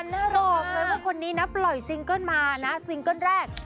น่าบอกเลยว่าคนนี้นะปล่อยซิงเกิ้ลมานะซิงเกิ้ลแรก